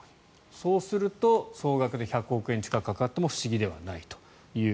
そうすると総額で１００億円近くかかっても不思議ではないという。